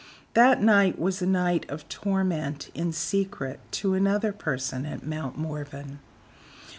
That night was a night of torment in secret to another person at Mount Morven.